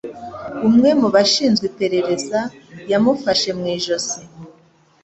Umwe mu bashinzwe iperereza yamufashe mu ijosi.